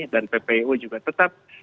dan ppu juga tetap